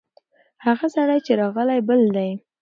هغه سړی چې راغلی، بل دی.